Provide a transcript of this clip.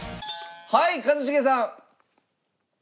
はい一茂さん。